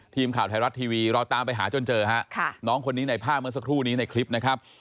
ทีมข่าวไทยรัฐทีวีเราตามไปหาจนเจอฮะน้องคนนี้ในภาพเมื่อสักครู่นี้ในคลิปนะครับ